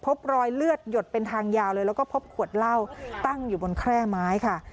พบรอยเลือดหยดเป็นทางยาวเลยแล้วก็พบขวดเหล้าตั้งอยู่บนแคร่ไม้ค่ะ